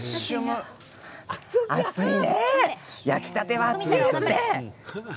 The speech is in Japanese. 焼きたては熱いですね。